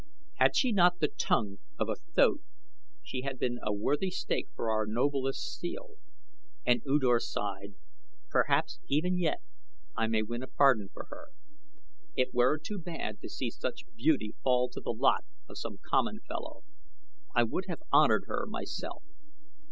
Had she not the tongue of a thoat she had been a worthy stake for our noblest steel," and U Dor sighed. "Perhaps even yet I may win a pardon for her. It were too bad to see such beauty fall to the lot of some common fellow. I would have honored her myself."